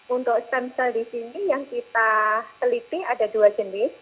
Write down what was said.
untuk stem cell di sini yang kita teliti ada dua jenis